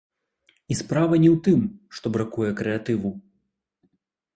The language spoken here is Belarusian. І справа не ў тым, што бракуе крэатыву.